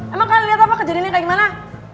emang kalian lihat apa kejadiannya kayak gimana